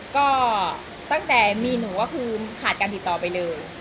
ก็ตั้งแต่มีหนูก็คือขาดการติดต่อไปเลย